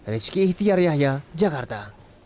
rizky ihtiar yahya jakarta